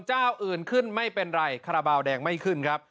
เจ้าอื่นขึ้นไม่เป็นไรคาราบาลแดงไม่ขึ้นครับ